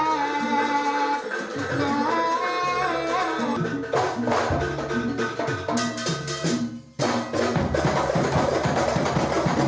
musikalitas kas islami